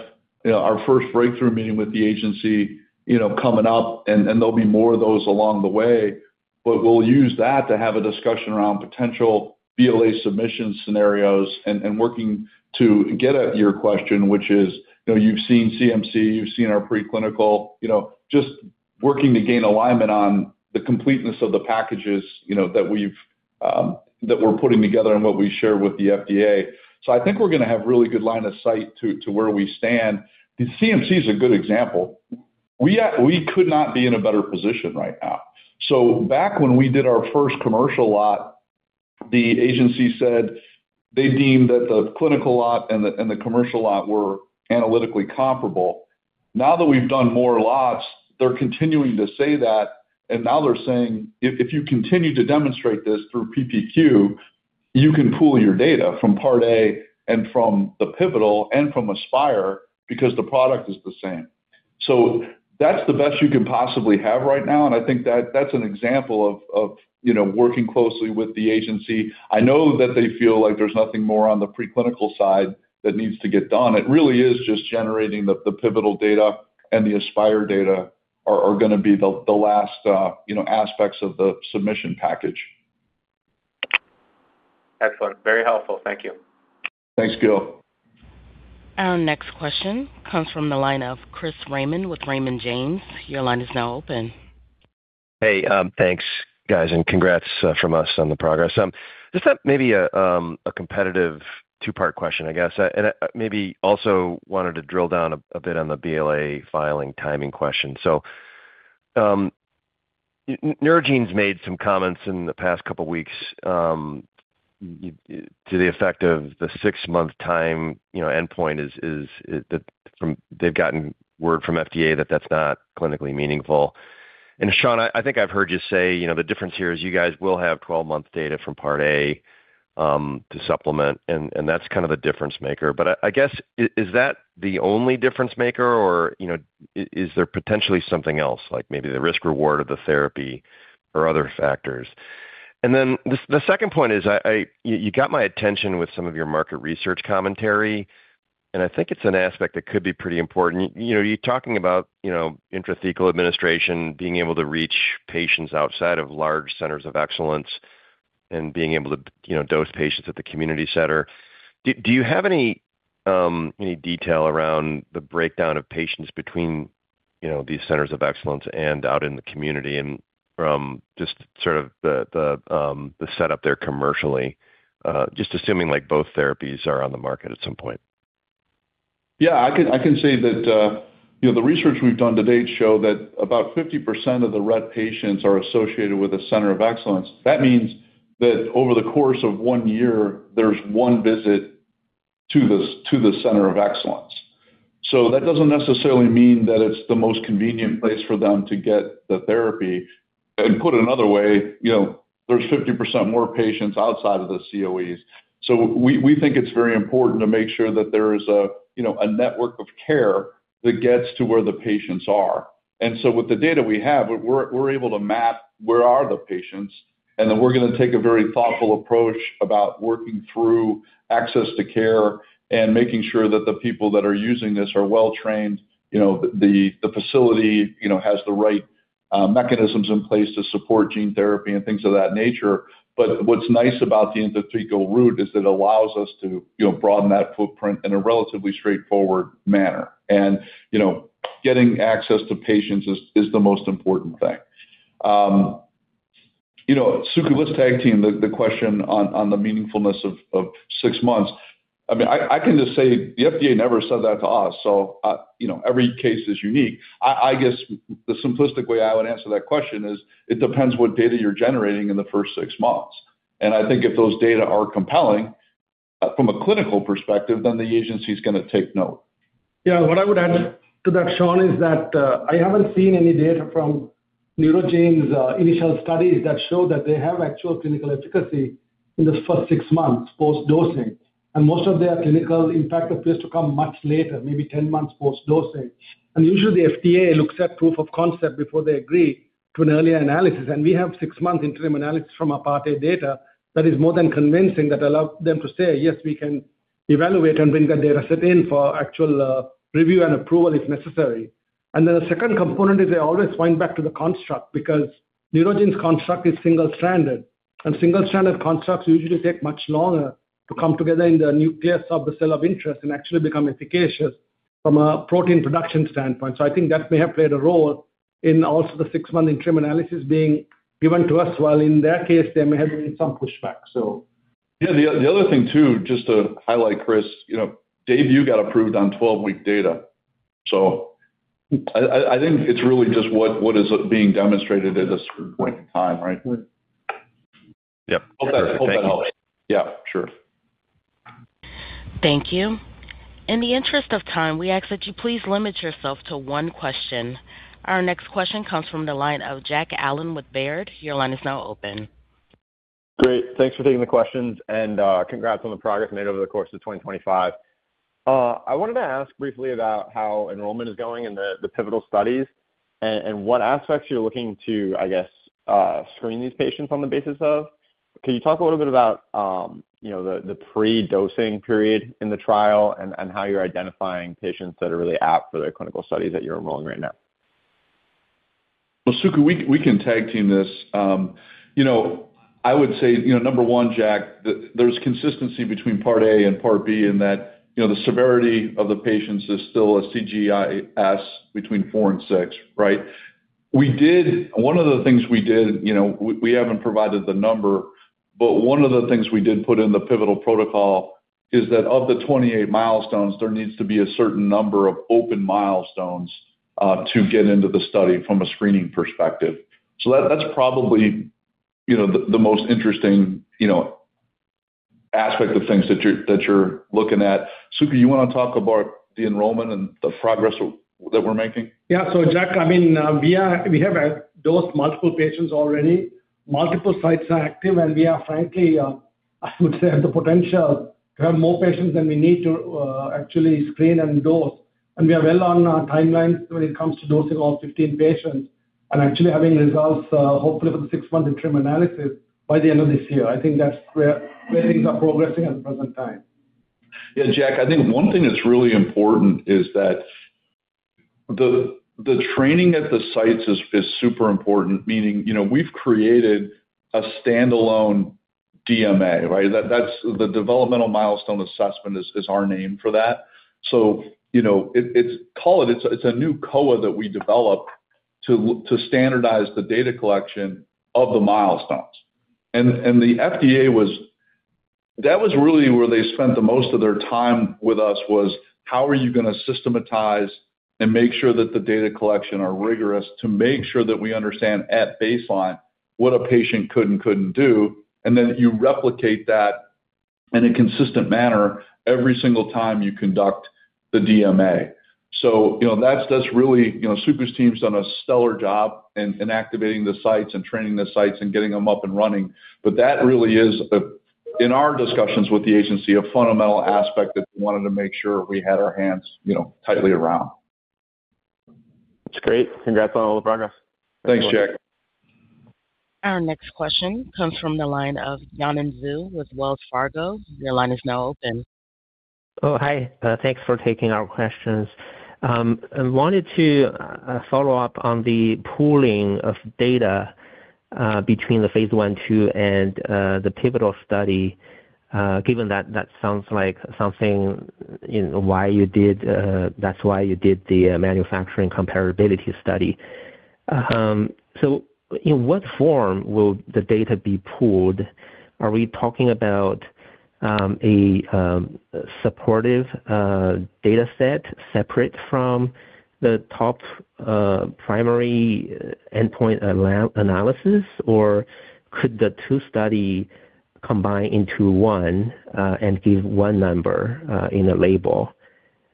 our first Breakthrough meeting with the agency, you know, coming up and there'll be more of those along the way. We'll use that to have a discussion around potential BLA submission scenarios and working to get at your question, which is, you know, you've seen CMC, you've seen our preclinical, you know, just working to gain alignment on the completeness of the packages, you know, that we're putting together and what we share with the FDA. I think we're going to have really good line of sight to where we stand. The CMC is a good example. We could not be in a better position right now. Back when we did our first commercial lot, the agency said they deemed that the clinical lot and the commercial lot were analytically comparable. Now that we've done more lots, they're continuing to say that, and now they're saying if you continue to demonstrate this through PPQ, you can pool your data from Part A and from the pivotal and from ASPIRE because the product is the same. That's the best you could possibly have right now, and I think that that's an example of you know, working closely with the agency. I know that they feel like there's nothing more on the preclinical side that needs to get done. It really is just generating the pivotal data and the ASPIRE data are going to be the last, you know, aspects of the submission package. Excellent. Very helpful. Thank you. Thanks, Gil. Our next question comes from the line of Chris Raymond with Raymond James. Your line is now open. Hey, thanks, guys, and congrats from us on the progress. Just have maybe a competitive two-part question, I guess. Maybe also wanted to drill down a bit on the BLA filing timing question. Neurogene's made some comments in the past couple weeks to the effect of the six-month time, you know, endpoint is. They've gotten word from FDA that that's not clinically meaningful. Sean, I think I've heard you say, you know, the difference here is you guys will have 12-month data from Part A to supplement, and that's kind of the difference maker. But I guess is that the only difference maker or, you know, is there potentially something else like maybe the risk reward of the therapy or other factors? The second point is you got my attention with some of your market research commentary, and I think it's an aspect that could be pretty important. You know, you're talking about, you know, intrathecal administration being able to reach patients outside of large centers of excellence and being able to, you know, dose patients at the community center. Do you have any detail around the breakdown of patients between, you know, these centers of excellence and out in the community and from just sort of the setup there commercially? Just assuming like both therapies are on the market at some point. Yeah, I can say that, you know, the research we've done to date show that about 50% of the Rett patients are associated with a Center of Excellence. That means that over the course of one year, there's one visit to the Center of Excellence. So that doesn't necessarily mean that it's the most convenient place for them to get the therapy. Put another way, you know, there's 50% more patients outside of the COEs. So we think it's very important to make sure that there is a, you know, a network of care that gets to where the patients are. With the data we have, we're able to map where the patients are. Then we're gonna take a very thoughtful approach about working through access to care and making sure that the people that are using this are well trained. You know, the facility, you know, has the right mechanisms in place to support gene therapy and things of that nature. But what's nice about the intrathecal route is it allows us to, you know, broaden that footprint in a relatively straightforward manner. You know, getting access to patients is the most important thing. You know, Suku, let's tag team the question on the meaningfulness of six months. I mean, I can just say the FDA never said that to us, so, you know, every case is unique. I guess the simplistic way I would answer that question is it depends what data you're generating in the first six months. I think if those data are compelling from a clinical perspective, then the agency's gonna take note. Yeah. What I would add to that, Sean, is that I haven't seen any data from Neurogene's initial studies that show that they have actual clinical efficacy in the first six months post-dosing, and most of their clinical impact appears to come much later, maybe 10 months post-dosage. Usually, the FDA looks at proof of concept before they agree to an earlier analysis. We have six-month interim analysis from our Part A data that is more than convincing that allow them to say, "Yes, we can evaluate and bring that data set in for actual review and approval if necessary." Then the second component is they always point back to the construct because Neurogene's construct is single-stranded, and single-stranded constructs usually take much longer to come together in the nucleus of the cell of interest and actually become efficacious from a protein production standpoint. I think that may have played a role in also the 6-month interim analysis being given to us, while in their case there may have been some pushback, so. Yeah. The other thing too, just to highlight, Chris, you know, Daybue, you got approved on 12-week data. I think it's really just what is being demonstrated at this point in time, right? Yep. Hope that helps. Yeah, sure. Thank you. In the interest of time, we ask that you please limit yourself to one question. Our next question comes from the line of Jack Allen with Baird. Your line is now open. Great. Thanks for taking the questions, and, congrats on the progress made over the course of 2025. I wanted to ask briefly about how enrollment is going in the pivotal studies and what aspects you're looking to, I guess, screen these patients on the basis of. Can you talk a little bit about, you know, the pre-dosing period in the trial and how you're identifying patients that are really apt for the clinical study that you're enrolling right now? Well, Suku, we can tag team this. You know, I would say, you know, number one, Jack, there's consistency between Part A and Part B in that, you know, the severity of the patients is still a CGIS between four and six, right? One of the things we did, you know, we haven't provided the number, but one of the things we did put in the pivotal protocol is that of the 28 milestones, there needs to be a certain number of open milestones to get into the study from a screening perspective. So that's probably, you know, the most interesting aspect of things that you're looking at. Suku, you wanna talk about the enrollment and the progress that we're making? Yeah. Jack, I mean, we have dosed multiple patients already. Multiple sites are active, and we are frankly, I would say, have the potential to have more patients than we need to actually screen and dose. We are well on our timelines when it comes to dosing all 15 patients and actually having results, hopefully for the six-month interim analysis by the end of this year. I think that's where things are progressing at the present time. Yeah, Jack, I think one thing that's really important is that the training at the sites is super important, meaning, you know, we've created a standalone DMA, right? That's the Developmental Milestone Assessment is our name for that. You know, it's a new COA that we developed to standardize the data collection of the milestones. The FDA was. That was really where they spent the most of their time with us was how are you gonna systematize and make sure that the data collection are rigorous to make sure that we understand at baseline what a patient could and couldn't do, and then you replicate that in a consistent manner every single time you conduct the DMA. You know, that's really. You know, Suku's team's done a stellar job in activating the sites and training the sites and getting them up and running. That really is, in our discussions with the agency, a fundamental aspect that we wanted to make sure we had our hands, you know, tightly around. That's great. Congrats on all the progress. Thanks, Jack. Our next question comes from the line of Yanan Zhu with Wells Fargo. Your line is now open. Thanks for taking our questions. I wanted to follow up on the pooling of data between the phase I/II and the pivotal study, given that that sounds like something, you know, that's why you did the manufacturing comparability study. In what form will the data be pooled? Are we talking about a supportive data set separate from the top-line primary endpoint analysis? Or could the two studies combine into one and give one number in a label?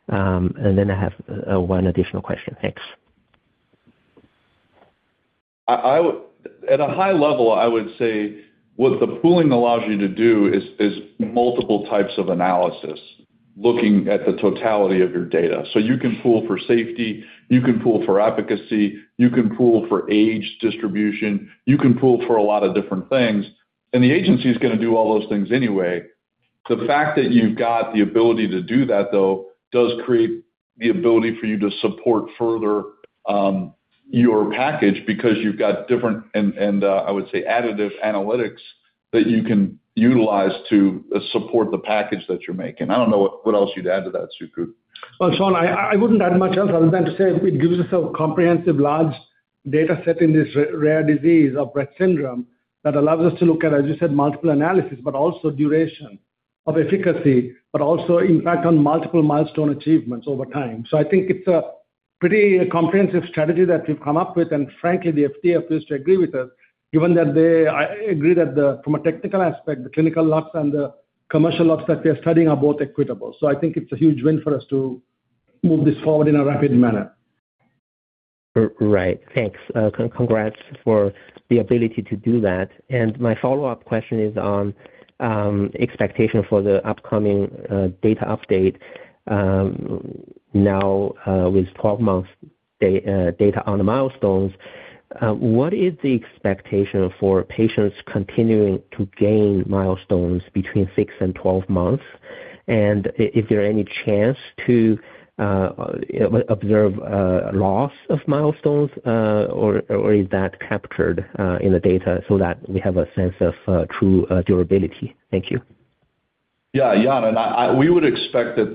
I have one additional question. Thanks. At a high level, I would say what the pooling allows you to do is multiple types of analysis. Looking at the totality of your data. You can pool for safety, you can pool for efficacy, you can pool for age distribution, you can pool for a lot of different things, and the agency is gonna do all those things anyway. The fact that you've got the ability to do that, though, does create the ability for you to support further your package because you've got different and I would say additive analytics that you can utilize to support the package that you're making. I don't know what else you'd add to that, Suku. Well, Sean, I wouldn't add much else other than to say it gives us a comprehensive large dataset in this rare disease of Rett syndrome that allows us to look at, as you said, multiple analysis, but also duration of efficacy, but also impact on multiple milestone achievements over time. I think it's a pretty comprehensive strategy that we've come up with. Frankly, the FDA appears to agree with us, given that they agree that, from a technical aspect, the clinical locks and the commercial locks that they're studying are both equitable. I think it's a huge win for us to move this forward in a rapid manner. Right. Thanks. Congrats for the ability to do that. My follow-up question is on expectation for the upcoming data update now with 12 months data on the milestones. What is the expectation for patients continuing to gain milestones between six and 12 months? Is there any chance to observe loss of milestones or is that captured in the data so that we have a sense of true durability? Thank you. Yeah, Yanan. We would expect that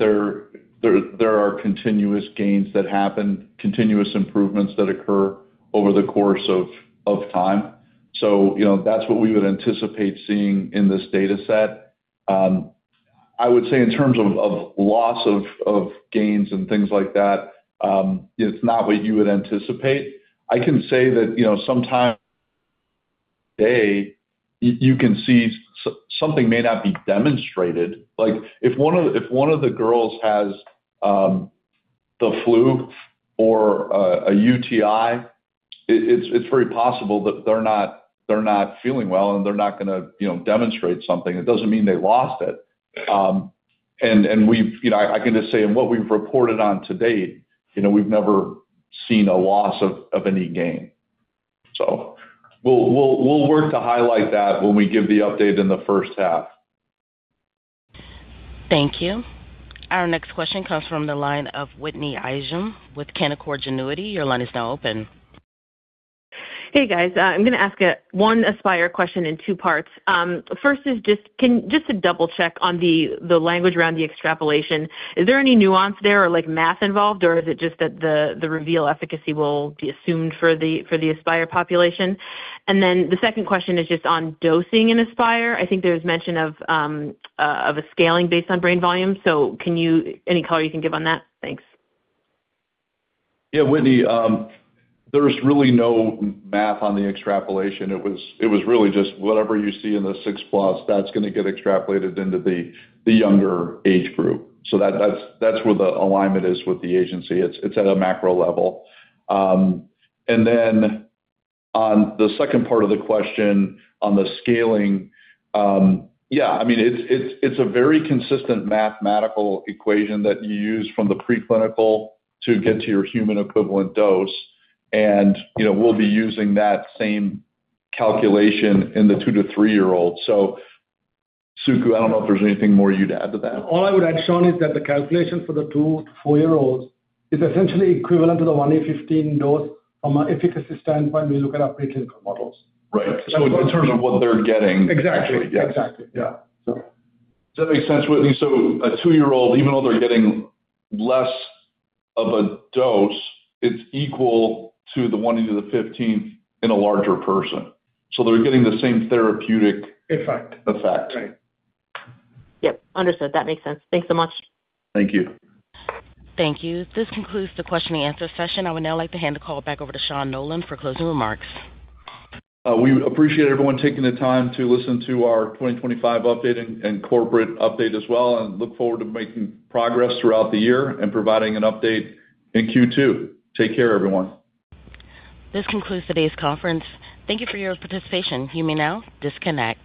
there are continuous gains that happen, continuous improvements that occur over the course of time. You know, that's what we would anticipate seeing in this dataset. I would say in terms of loss of gains and things like that, it's not what you would anticipate. I can say that, you know, sometime today, you can see something may not be demonstrated. Like, if one of the girls has the flu or a UTI, it's very possible that they're not feeling well, and they're not gonna demonstrate something. It doesn't mean they lost it. You know, I can just say in what we've reported on to date, you know, we've never seen a loss of any gain. We'll work to highlight that when we give the update in the first half. Thank you. Our next question comes from the line of Whitney Ijem with Canaccord Genuity. Your line is now open. Hey, guys. I'm gonna ask one ASPIRE question in two parts. First is just to double check on the language around the extrapolation. Is there any nuance there or like math involved, or is it just that the REVEAL efficacy will be assumed for the ASPIRE population? Then the second question is just on dosing in ASPIRE. I think there's mention of a scaling based on brain volume. So, any color you can give on that? Thanks. Yeah, Whitney, there's really no math on the extrapolation. It was really just whatever you see in the 6+, that's gonna get extrapolated into the younger age group. That's where the alignment is with the agency. It's at a macro level. On the second part of the question on the scaling, yeah, I mean, it's a very consistent mathematical equation that you use from the preclinical to get to your human equivalent dose. You know, we'll be using that same calculation in the 2-3-year-olds. Suku, I don't know if there's anything more you'd add to that. All I would add, Sean, is that the calculation for the 2-4-year-olds is essentially equivalent to the 1e15 dose from an efficacy standpoint when you look at our preclinical models. Right. In terms of what they're getting. Exactly. Yes. Exactly. Yeah. Does that make sense, Whitney? A two-year-old, even though they're getting less of a dose, it's equal to the 10 to the 15th in a larger person. They're getting the same therapeutic Effect. -effect. Right. Yep. Understood. That makes sense. Thanks so much. Thank you. Thank you. This concludes the question-and-answer session. I would now like to hand the call back over to Sean Nolan for closing remarks. We appreciate everyone taking the time to listen to our 2025 update and corporate update as well, and look forward to making progress throughout the year and providing an update in Q2. Take care, everyone. This concludes today's conference. Thank you for your participation. You may now disconnect.